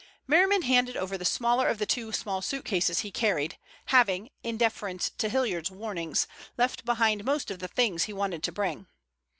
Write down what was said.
Merriman handed over the smaller of the two small suitcases he carried, having, in deference to Hilliard's warnings, left behind most of the things he wanted to bring.